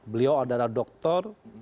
beliau adalah dokter